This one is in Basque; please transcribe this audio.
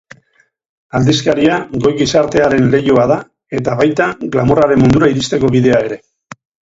Aldizkaria goi gizartearen leihoa da eta baita glamurraren mundura iristeko bidea ere.